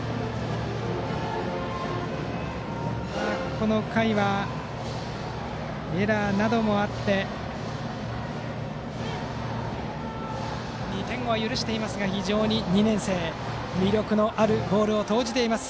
この回はエラーなどもあり２点を許していますが２年生魅力のあるボールを投じています